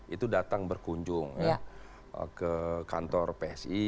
itu datang berkunjung ke kantor psi